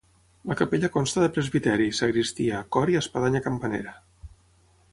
La capella consta de presbiteri, sagristia, cor i espadanya campanera.